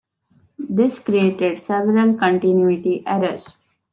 This created several continuity errors.